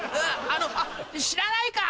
あっ知らないか？